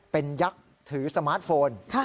เป็นยักษ์ถือสมาร์ทโฟน